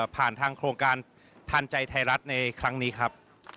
ผ่านทางโครงการทานใจไทยรัฐในครั้งนี้ครับ